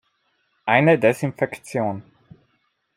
Eine Desinfektion".